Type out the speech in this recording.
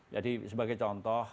jadi sebagai contoh